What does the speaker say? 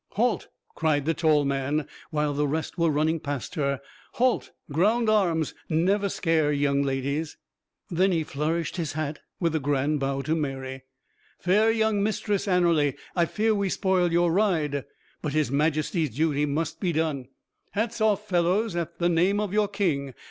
"Halt!" cried the tall man, while the rest were running past her; "halt! ground arms; never scare young ladies." Then he flourished his hat, with a grand bow to Mary. "Fair young Mistress Anerley, I fear we spoil your ride. But his Majesty's duty must be done. Hats off, fellows, at the name of your king!